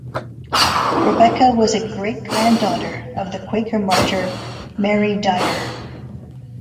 Rebecca was a great granddaughter of the Quaker martyr Mary Dyer.